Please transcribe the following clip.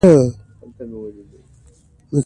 ازادي راډیو د امنیت په اړه د روغتیایي اغېزو خبره کړې.